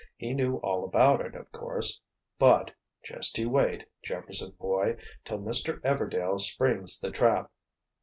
"He knew all about it, of course. But—just you wait, Jefferson boy, till Mr. Everdail 'springs' the trap."